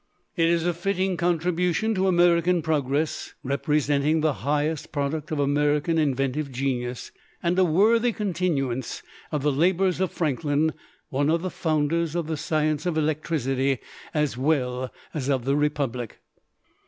It was a fitting contribution to American progress, representing the highest product of American inventive genius, and a worthy continuance of the labors of Franklin, one of the founders of the science of electricity as well as of the Republic.